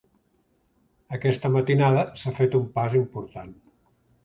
Aquesta matinada s’ha fet un pas important.